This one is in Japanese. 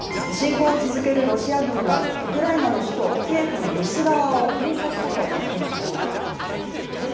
侵攻を続けるロシア軍はウクライナの首都キエフの西側を封鎖したと発表しました。